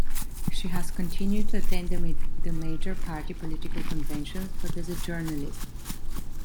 She has continued to attend the major party political conventions, but as a journalist.